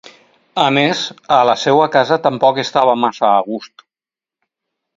A més, a la seua casa tampoc estava massa a gust...